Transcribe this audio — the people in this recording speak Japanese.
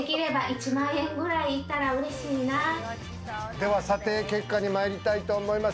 では査定結果にまいりたいと思います。